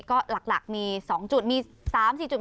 ก็หลักมี๒จุดมี๓๔จุด